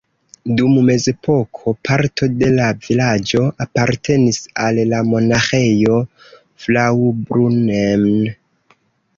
Dum mezepoko parto de la vilaĝo apartenis al la Monaĥejo Fraubrunnen.